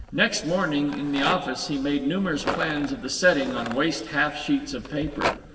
Next morning in the office he made numerous plans of the setting on waste half sheets of paper.